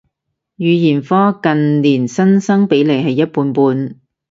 語言科近年新生比例係一半半